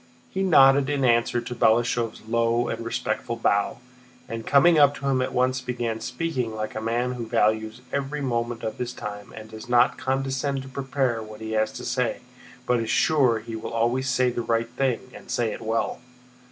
He nodded in answer to Balashëv's low and respectful bow, and coming up to him at once began speaking like a man who values every moment of his time and does not condescend to prepare what he has to say but is sure he will always say the right thing and say it well.